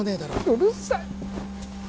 うるさい